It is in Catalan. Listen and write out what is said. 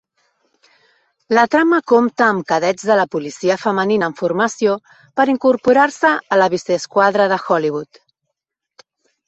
La trama compta amb cadets de la policia femenina en formació per incorporar-se a la vice-esquadra de Hollywood.